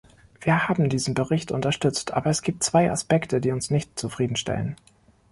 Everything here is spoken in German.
Wir haben diesen Bericht unterstützt, aber es gibt zwei Aspekte, die uns nicht zufriedenstellen.